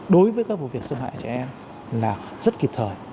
đối với các vụ việc xâm hại trẻ em là rất kịp thời